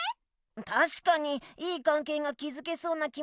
たしかにいいかんけいがきずけそうな気もしますが。